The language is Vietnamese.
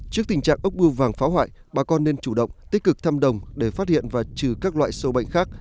trước tình trạng ốc bưa vàng phá hoại bà con nên chủ động tích cực thăm đồng để phát hiện và trừ các loại sâu bệnh khác